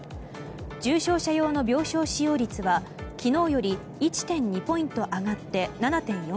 重症者用の病床使用率は昨日より１．２ポイント上がって７．４％。